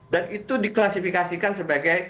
dan itu diklasifikasikan sebagai